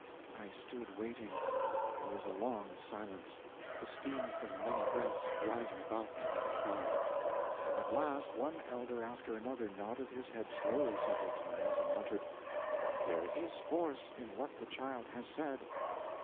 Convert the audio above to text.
I stood waiting. There was a long silence, the steam from the many breaths rising about me like a fog. At last one elder after another nodded his head slowly several times, and muttered, "There is force in what the child has said."